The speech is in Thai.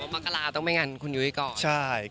แต่ว่ามักราต้องไปงานคุณยุ้ยก่อนใช่